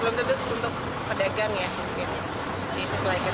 belum tentu untuk pedagang ya gitu